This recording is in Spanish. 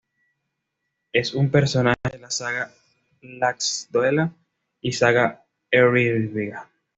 Es un personaje de la "saga de Laxdœla", y "saga Eyrbyggja".